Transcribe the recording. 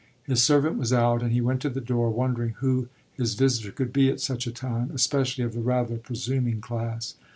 His servant was out and he went to the door, wondering who his visitor could be at such a time, especially of the rather presuming class.